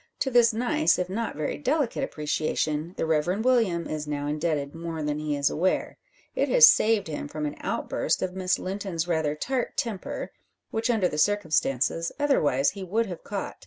To this nice, if not very delicate appreciation, the Reverend William is now indebted more than he is aware. It has saved him from an outburst of Miss Linton's rather tart temper, which, under the circumstances, otherwise he would have caught.